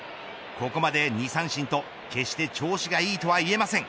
ここまで２三振と決して調子がいいとは言えません。